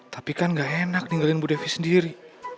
tapi kan gak enak ninggalin bu devi sendiri